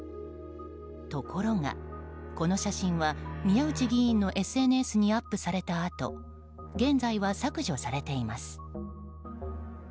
ところが、この写真は宮内議員のＳＮＳにアップされたあと現在は削除されています。